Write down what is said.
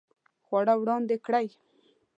خواړه وړاندې کړئ